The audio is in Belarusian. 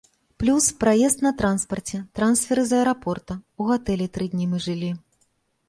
Плюс, праезд на транспарце, трансферы з аэрапорта, у гатэлі тры дні мы жылі.